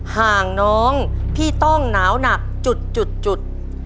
ห่างน้องพี่ต้องหนาวหนักจุด